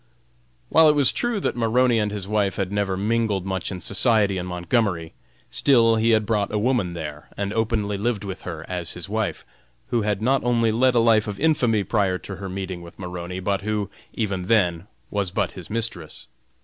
While it was true that Maroney and his wife had never mingled much in society in Montgomery, still he had brought a woman there and openly lived with her as his wife, who had not only led a life of infamy prior to her meeting with Maroney, but who, even then, was but his mistress.